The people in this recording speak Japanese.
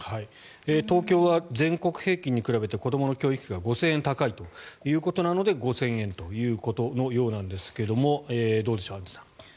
東京は全国平均に比べて子どもの教育費が５０００円高いということなので５０００円ということのようなんですがどうでしょう、アンジュさん。